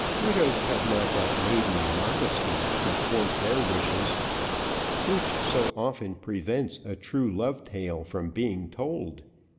Widows have not that maiden modesty to thwart their wishes, which so often prevents a true love tale from being told.